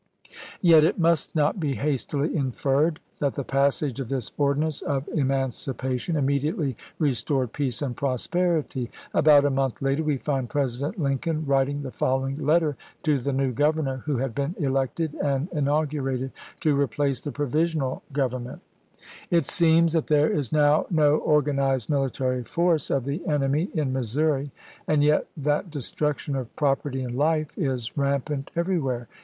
Yet, it must not be hastily inferred that the passage of this ordinance of emancipation immediately re stored peace and prosperity. About a month later we find President Lincoln writing the following letter to the new Governor, who had been elected aud inaugurated to replace the provisional gov ernment : It seems that there is now no organized mihtary force of the enemy in Missonri, aud yet that destruction of property aud hfe is rampant everywhere.